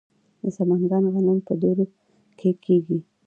د سمنګان غنم په درو کې کیږي.